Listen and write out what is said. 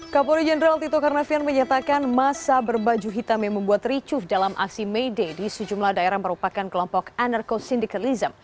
kapolri jenderal tito karnavian menyatakan masa berbaju hitam yang membuat ricuh dalam aksi may day di sejumlah daerah merupakan kelompok anerco sindikalism